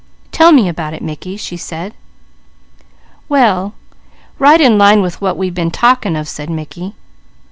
"Tell me about it, Mickey," she said. "Well right in line with what we been talking of," said Mickey.